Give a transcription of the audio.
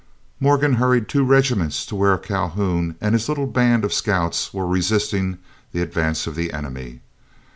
Morgan hurried two regiments to where Calhoun and his little band of scouts were resisting the advance of the enemy.